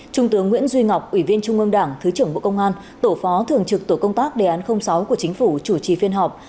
trung tướng nguyễn duy ngọc ủy viên trung ương đảng thứ trưởng bộ công an tổ phó thường trực tổ công tác đề án sáu của chính phủ chủ trì phiên họp